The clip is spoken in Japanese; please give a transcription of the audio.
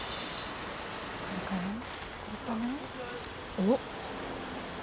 おっ。